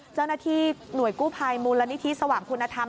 เจ้าหน้าที่หน่วยกู้ภัยมูลนิธิสว่างคุณธรรม